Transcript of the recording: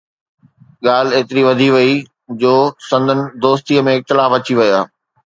ڳالهه ايتري وڌي وئي جو سندن دوستيءَ ۾ اختلاف اچي ويا